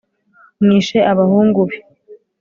mwishe abahungu be